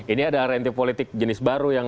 ini ada orientif politik jenis baru yang